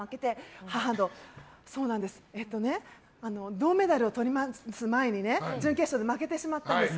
銅メダルをとる前に準決勝で負けてしまったんです。